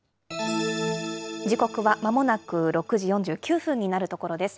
時刻はまもなく６時４９分になるところです。